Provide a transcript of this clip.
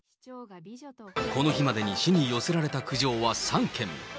この日までに市に寄せられた苦情は３件。